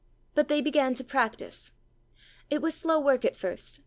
But they began to practise. It was slow work at first.